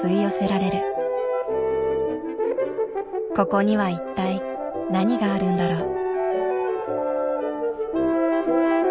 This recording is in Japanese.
ここには一体何があるんだろう？